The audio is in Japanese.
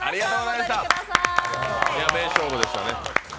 名勝負でしたね。